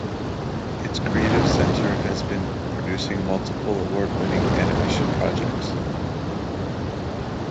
Its creative center has been producing multiple award-winning animation projects.